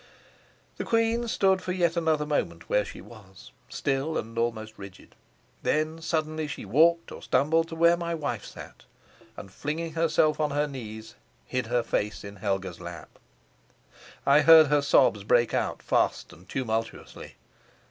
The queen stood for yet another moment where she was, still and almost rigid. Then suddenly she walked or stumbled to where my wife sat, and, flinging herself on her knees, hid her face in Helga's lap; I heard her sobs break out fast and tumultuously.